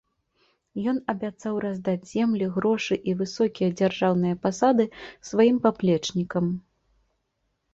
Ён абяцаў раздаць землі, грошы і высокія дзяржаўныя пасады сваім паплечнікам.